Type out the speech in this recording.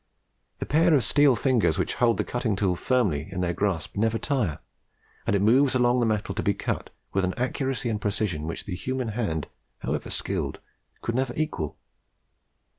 The pair of steel fingers which hold the cutting tool firmly in their grasp never tire, and it moves along the metal to be cut with an accuracy and precision which the human hand, however skilled, could never equal.